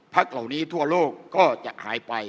เหล่านี้ทั่วโลกก็จะหายไป